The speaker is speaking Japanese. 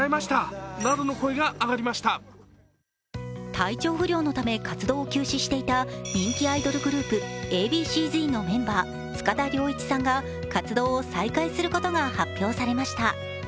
体調不良のため活動を休止していた人気アイドルグループＡ．Ｂ．Ｃ−Ｚのメンバー、塚田僚一さんが活動を再開することが発表されました。